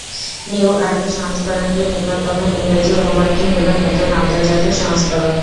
New আরবি সংস্করণটির নিকটতম ইংরেজি অনুবাদটি হল নতুন আন্তর্জাতিক সংস্করণ।